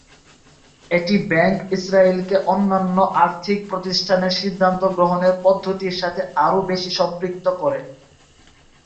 এটি ব্যাংক ইসরায়েলকে অন্যান্য আর্থিক প্রতিষ্ঠানের সিদ্ধান্ত গ্রহণের পদ্ধতির সাথে আরও বেশি সম্পৃক্ত করে।